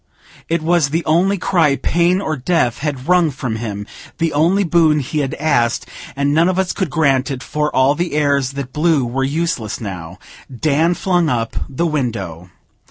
It was the only cry pain or death had wrung from him, the only boon he had asked; and none of us could grant it, for all the airs that blew were useless now. Dan flung up the window.